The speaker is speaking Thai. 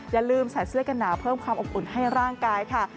อย่าลืมใส่เสื้อกันหนาวเพิ่มความอบอุ่นให้ร่างกายค่ะ